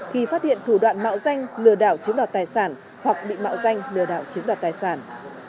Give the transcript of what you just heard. khi phát hiện thủ đoạn mạo danh lừa đảo chiếm đoạt tài sản hoặc bị mạo danh lừa đảo chiếm đoạt tài sản